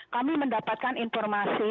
kami mendapatkan informasi